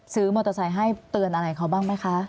มอเตอร์ไซค์ให้เตือนอะไรเขาบ้างไหมคะ